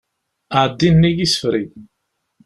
Ɛeddi nnig isefreg.